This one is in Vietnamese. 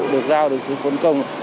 được giao được sự phấn công